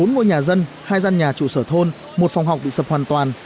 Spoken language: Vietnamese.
bốn ngôi nhà dân hai gian nhà trụ sở thôn một phòng học bị sập hoàn toàn